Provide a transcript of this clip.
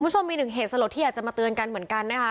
คุณผู้ชมมีหนึ่งเหตุสลดที่อยากจะมาเตือนกันเหมือนกันนะคะ